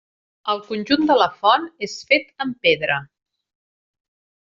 El conjunt de la font és fet amb pedra.